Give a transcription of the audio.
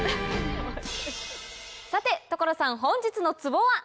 さて所さん本日のツボは？